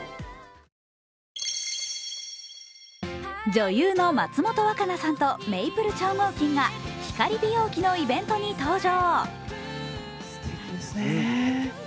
女優の松本若菜さんとメイプル超合金が光美容器のイベントに登場。